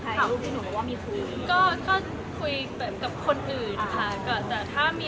เพิ่มหน้าเดี๋ยวหนูจะมาบอกพวกพี่